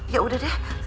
ya udah deh